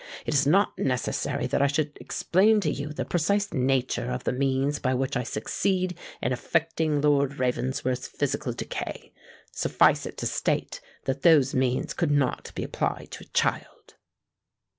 "It is not necessary that I should explain to you the precise nature of the means by which I succeed in effecting Lord Ravensworth's physical decay; suffice it to state that those means could not be applied to a child."